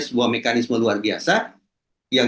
sebuah mekanisme luar biasa yang